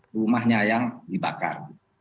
rumahnya yang dibakar